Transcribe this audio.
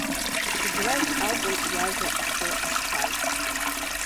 Убрахь акәын иажәа ахы ахьхаз.